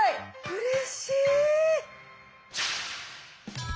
うれしい！